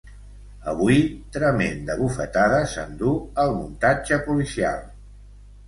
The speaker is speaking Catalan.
Avui tremenda bufetada s’endú el muntatge policial.